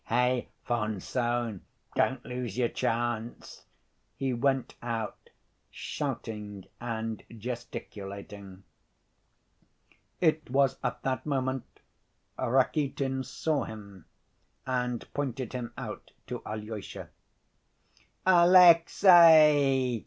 Hey, von Sohn, don't lose your chance." He went out, shouting and gesticulating. It was at that moment Rakitin saw him and pointed him out to Alyosha. "Alexey!"